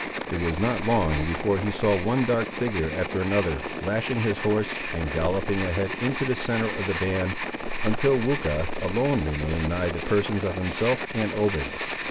It was not long before he saw one dark figure after another, lashing his horse and galloping ahead into the centre of the band, until Weucha alone remained nigh the persons of himself and Obed.